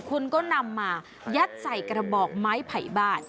คุณก็นำมายัดใส่กระบอกไม้ไผ่บ้าน